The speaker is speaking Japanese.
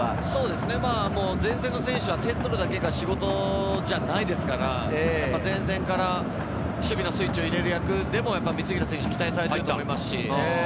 前線の選手は点を取るだけが仕事じゃないですから、前線から守備のスイッチを入れる役でも三平選手が期待されていると思います。